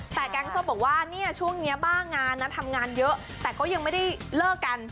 แต่แกงส้มบอกว่าเนี่ยช่วงนี้บ้างานนะทำงานเยอะแต่ก็ยังไม่ได้เลิกกัน